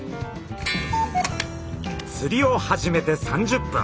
釣りを始めて３０分。